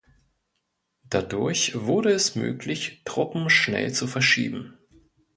Dadurch wurde es möglich, Truppen schnell zu verschieben.